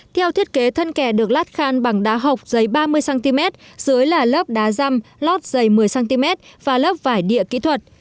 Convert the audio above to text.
theo thiết kế thân kè được lát khan bằng đá học dày ba mươi cm dưới là lớp đá răm lót dày một mươi cm và lớp vải địa kỹ thuật